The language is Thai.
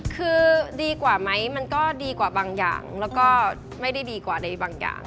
คือดีกว่าไหมมันก็ดีกว่าบางอย่างแล้วก็ไม่ได้ดีกว่าอะไรบางอย่าง